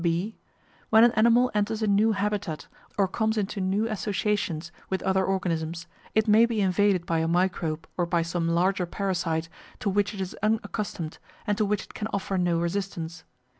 (b) When an animal enters a new habitat, or comes into new associations with other organisms, it may be invaded by a microbe or by some larger parasite to which it is unaccustomed and to which it can offer no resistance.